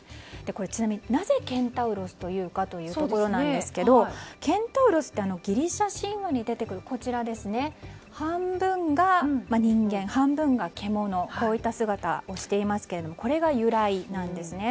これ、ちなみになぜケンタウロスと言うかというところですがケンタウロスってギリシャ神話に出てくる半分が人間、半分が獣というこういった姿をしていますがこれが由来なんですね。